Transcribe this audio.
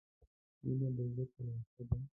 • مینه د زړه تلوسه ده.